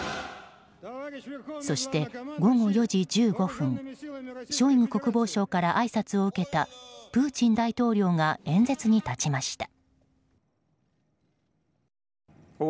そして午後４時１５分ショイグ国防相からあいさつを受けたプーチン大統領が演説に立ちました。